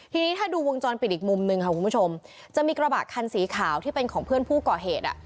ทีนี้ถ้าดูวงจรปิดอีกมุมหนึ่งค่ะคุณผู้ชมจะมีกระบะคันสีขาวที่เป็นของเพื่อนผู้ก่อเหตุอ่ะ